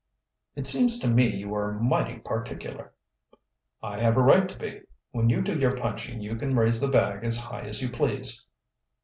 "It seems to me you are mighty particular." "I have a right to be. When you do your punching you can raise the bag as high as you please."